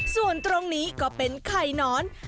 ส่วนตรงนี้ก็เป็นไข่นอน